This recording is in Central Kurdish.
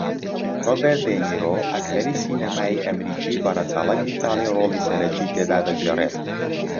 رۆبێرت دێنیرۆ ئەکتەری سینەمایی ئەمریکی بە رەچەڵەک ئیتاڵی رۆڵی سەرەکی تێدا دەگێڕێت